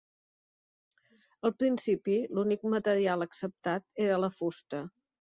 Al principi l'únic material acceptat era la fusta.